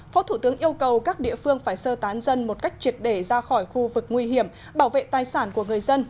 phó thủ tướng yêu cầu các địa phương phải sơ tán dân một cách triệt để ra khỏi khu vực nguy hiểm bảo vệ tài sản của người dân